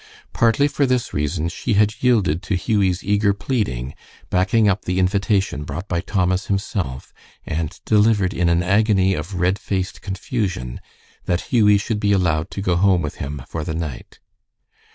Partly for this reason she had yielded to Hughie's eager pleading, backing up the invitation brought by Thomas himself and delivered in an agony of red faced confusion, that Hughie should be allowed to go home with him for the night.